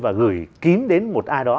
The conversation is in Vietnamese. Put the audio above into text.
và gửi kín đến một ai đó